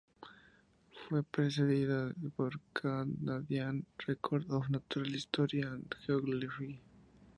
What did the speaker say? Fue precedida por "Canadian Record of Natural History and Geology".